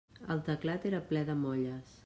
El teclat era ple de molles.